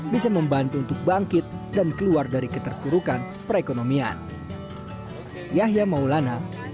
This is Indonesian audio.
bisa membantu untuk bangkit dan keluar dari keterpurukan perekonomian